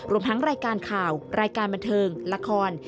รวมทั้งรายการข่าวรายการบันเทิงละคร